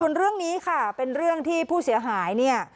ส่วนเรื่องนี้ค่ะเป็นเรื่องที่ผู้เสียหายเนี่ย